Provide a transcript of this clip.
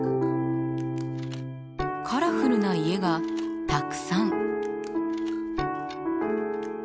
カラフルな家がたくさん。